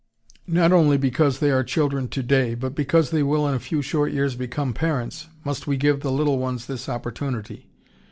] Not only because they are children today, but because they will in a few short years become parents, must we give the little ones this opportunity.